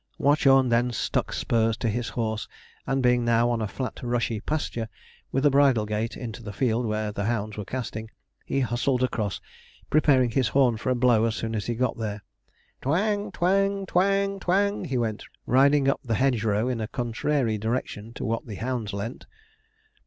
Watchorn then stuck spurs to his horse, and being now on a flat rushy pasture, with a bridle gate into the field where the hounds were casting, he hustled across, preparing his horn for a blow as soon as he got there. 'Twang twang twang twang,' he went, riding up the hedgerow in the contrary direction to what the hounds leant.